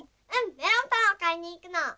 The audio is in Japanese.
メロンパンをかいにいくの。